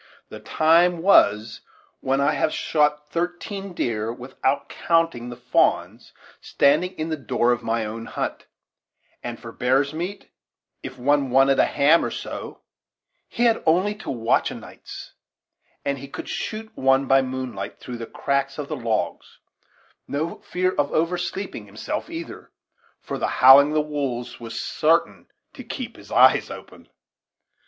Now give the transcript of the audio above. "The time has been when I have shot thirteen deer without counting the fa'ns standing in the door of my own hut; and for bear's meat, if one wanted a ham or so, he had only to watch a nights, and he could shoot one by moonlight, through the cracks of the logs, no fear of his oversleeping himself neither, for the howling of the wolves was sartin to keep his eyes open.